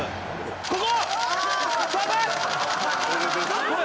ここ。